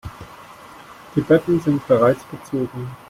Die Betten sind bereits bezogen.